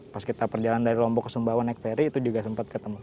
pas kita perjalanan dari lombok ke sumbawa naik peri itu juga sempat ketemu